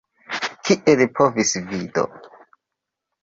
Kiel povis vi do?